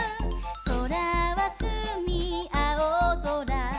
「そらはすみあおぞら」